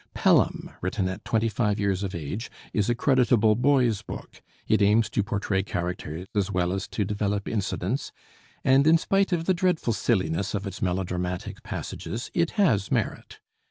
'Pelham,' written at twenty five years of age, is a creditable boy's book; it aims to portray character as well as to develop incidents, and in spite of the dreadful silliness of its melodramatic passages it has merit.